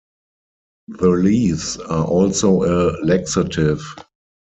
The leaves are also a laxative.